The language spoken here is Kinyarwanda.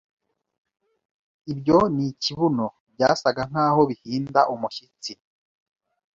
Ibyo n'ikibuno byasaga nkaho bihinda umushyitsi